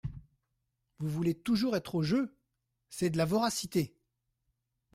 Vous voulez toujours être au jeu… c’est de la voracité !